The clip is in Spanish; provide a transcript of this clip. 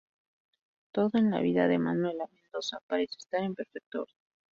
Todo en la vida de Manuela Mendoza parece estar en perfecto orden.